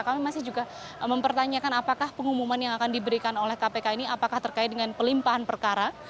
kami masih juga mempertanyakan apakah pengumuman yang akan diberikan oleh kpk ini apakah terkait dengan pelimpahan perkara